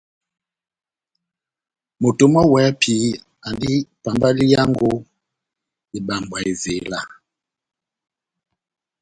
Moto mɔ́ wɛ́hɛ́pi andi pambaliyango ibambwa evela.